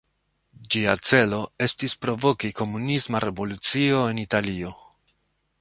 Ĝia celo estis provoki komunisma revolucio en Italio.